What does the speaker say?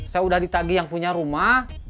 saya udah ditagi yang punya rumah